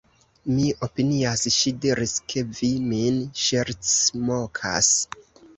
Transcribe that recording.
Mi opinias, ŝi diris, ke vi min ŝercmokas.